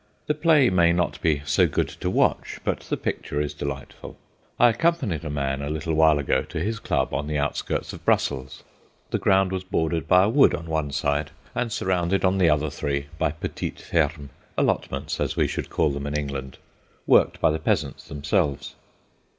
The play may not be so good to watch, but the picture is delightful. I accompanied a man a little while ago to his club on the outskirts of Brussels. The ground was bordered by a wood on one side, and surrounded on the other three by petites fermes—allotments, as we should call them in England, worked by the peasants themselves.